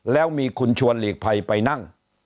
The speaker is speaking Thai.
แล้วมีคุณชวนหลีกภัยไปนั่ง